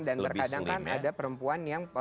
dan terkadang kan ada perempuan yang